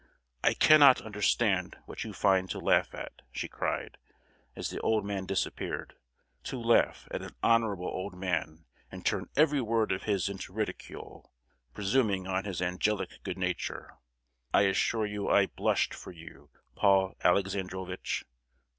"I cannot understand what you find to laugh at!" she cried, as the old man disappeared; "to laugh at an honourable old man, and turn every word of his into ridicule—presuming on his angelic good nature. I assure you I blushed for you, Paul Alexandrovitch!